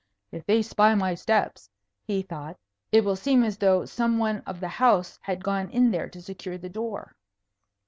"If they spy my steps," he thought, "it will seem as though some one of the house had gone in there to secure the door."